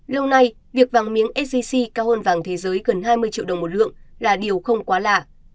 lâu nay việc vàng miếng sgc cao hơn vàng thế giới gần hai mươi triệu đồng một lượng là điều không quá là